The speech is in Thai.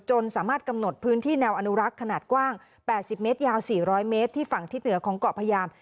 สามารถกำหนดพื้นที่แนวอนุรักษ์ขนาดกว้าง๘๐เมตรยาว๔๐๐เมตรที่ฝั่งทิศเหนือของเกาะพยาม